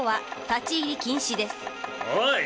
おい！